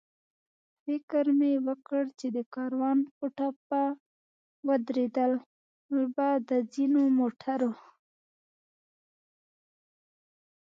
فکر مې وکړ چې د کاروان په ټپه درېدل به د ځینو موټرو.